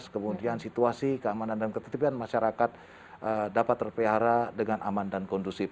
kemudian situasi keamanan dan ketitipan masyarakat dapat terpelihara dengan aman dan kondusif